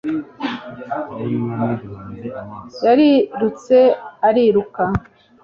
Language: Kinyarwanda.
Yarirutse ariruka